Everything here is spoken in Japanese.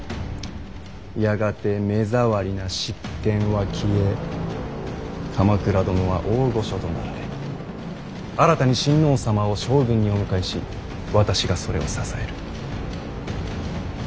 やがて目障りな執権は消え鎌倉殿は大御所となられ新たに親王様を将軍にお迎えし私がそれを支える。